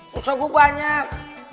pulsa gua banyak